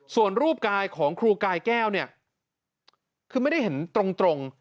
ส่วนรูปกายของครูกายแก้วเนี่ยคือไม่ได้เห็นตรง